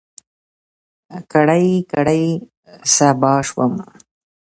کړۍ، کړۍ صهبا شوم